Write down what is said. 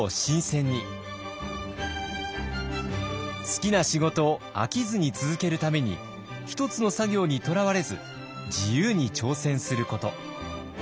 好きな仕事を飽きずに続けるために１つの作業にとらわれず自由に挑戦すること。